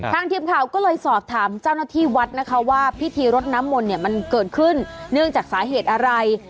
ทีมข่าวก็เลยสอบถามเจ้าหน้าที่วัดนะคะว่าพิธีรดน้ำมนต์เนี่ยมันเกิดขึ้นเนื่องจากสาเหตุอะไร